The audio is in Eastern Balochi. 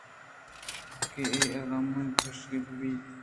کہ اے الّم ءَ کُشگ بہ بیت